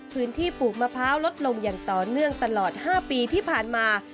ปลูกมะพร้าวลดลงอย่างต่อเนื่องตลอด๕ปีที่ผ่านมา